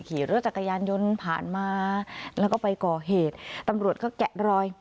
ขี่รถจักรยานยนต์ผ่านมาแล้วก็ไปก่อเหตุตำรวจก็แกะรอย